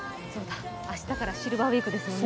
明日からシルバーウイークなんですもんね。